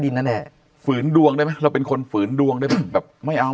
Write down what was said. นั่นแหละฝืนดวงได้ไหมเราเป็นคนฝืนดวงได้ไหมแบบไม่เอา